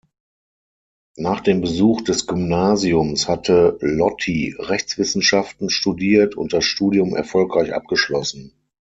Nach dem Besuch des Gymnasiums hatte Lotti Rechtswissenschaften studiert und das Studium erfolgreich abgeschlossen.